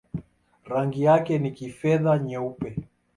Rangi yake ni kifedha-nyeupe.